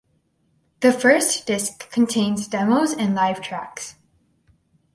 The first disc contains demos and live tracks.